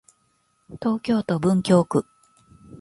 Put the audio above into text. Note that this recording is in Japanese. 東京都文京区